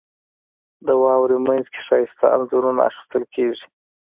• د واورې مینځ کې ښایسته انځورونه اخیستل کېږي.